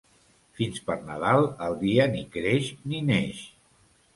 Fins per Nadal, el dia ni creix ni neix.